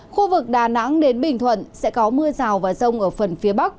khu vực đà nẵng đến bình thuận sẽ có mưa rào và rông ở phần phía bắc